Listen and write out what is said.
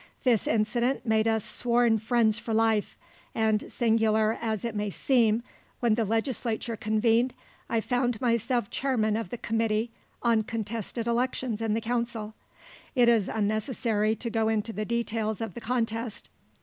This incident made us sworn friends for life, and singular as it may seem, when the legislature convened, I found myself chairman of the committee on contested elections in the council. It is unnecessary to go into the details of the contest.